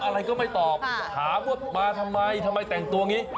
อะไรก็ไม่ตอบถามว่ามาทำไมทำไมแต่งตัวอย่างนี้